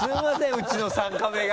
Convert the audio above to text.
ウチの３カメが。